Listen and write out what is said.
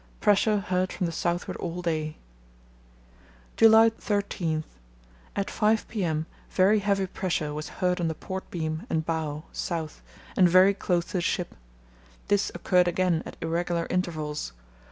Pressure heard from the southward all day. "July 13.—At 5 p.m. very heavy pressure was heard on the port beam and bow (south) and very close to the ship. This occurred again at irregular intervals.